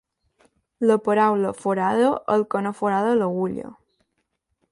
La paraula forada el que no forada l'agulla.